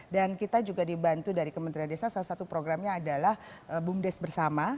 dan kita juga dibantu dari kementerian desa salah satu programnya adalah bumdes bersama